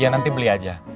iya nanti beli aja